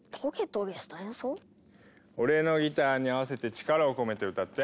俺のギターに合わせて力を込めて歌って。